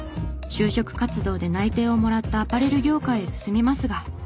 就職活動で内定をもらったアパレル業界へ進みますが。